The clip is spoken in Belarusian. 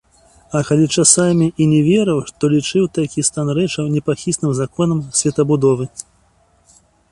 А калі часамі і не верыў, то лічыў такі стан рэчаў непахісным законам светабудовы.